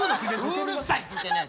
うるさいって言うてんねん！